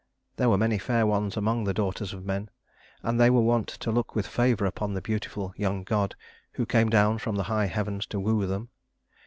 There were many fair ones among the daughters of men, and they were wont to look with favor upon the beautiful young god who came down from the high heavens to woo them.